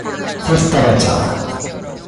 Festa rachada!